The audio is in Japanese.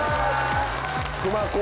熊高